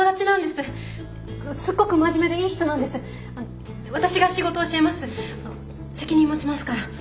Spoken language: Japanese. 責任持ちますから。